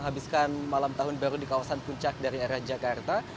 jadi lancar seperti ini menurut saya ada persediaan jung sorry